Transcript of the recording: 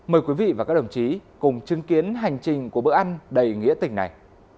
mời quý vị và các đồng chí cùng chứng kiến hành trình của bữa ăn đầy nghĩa tình này